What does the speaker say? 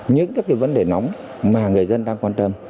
những các cái vấn đề nóng mà người dân đang quan tâm